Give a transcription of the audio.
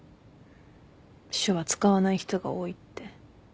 手話使わない人が多いって。